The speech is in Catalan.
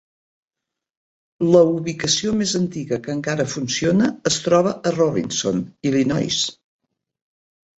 La ubicació més antiga que encara funciona es troba a Robinson, Illinois.